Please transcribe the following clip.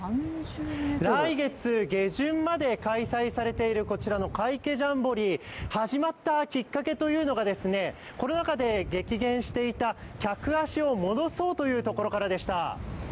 来月下旬まで開催されているこちらのカイケジャンボリー始まったきっかけというのが、コロナ禍で激減していた客足を戻そうというところからでした。